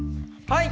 はい。